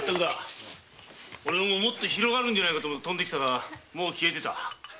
もっと広がるんじゃないかと思って来たらもう消えていた。